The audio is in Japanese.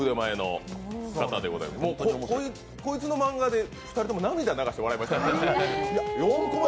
こいつの漫画で２人とも涙流して笑いました。